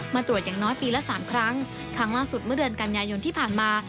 มาตรวจอย่างน้อยปีละ๓ครั้งครั้งล่าสุดเมื่อเดือนกันยายนที่ผ่านมา